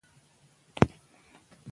موږ باید خپل اقتصاد جوړ کړو.